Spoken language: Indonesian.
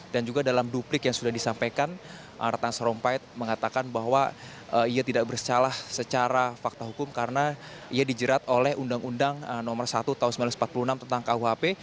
dan juga dalam duplik yang sudah disampaikan ratang sarumpait mengatakan bahwa ia tidak bersalah secara fakta hukum karena ia dijerat oleh undang undang nomor satu tahun seribu sembilan ratus empat puluh enam tentang kuhp